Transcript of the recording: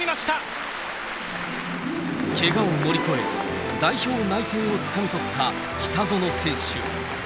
けがを乗り越え、代表内定をつかみ取った北園選手。